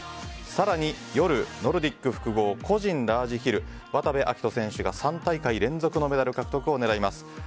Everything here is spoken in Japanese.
更に夜、ノルディック複合個人ラージヒル渡部暁斗選手が３大会連続のメダル獲得を狙います。